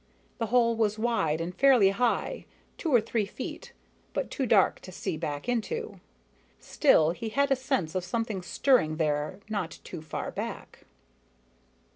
The hole was wide and fairly high, two or three feet, but too dark to see back into. Still, he had a sense of something stirring there not too far back.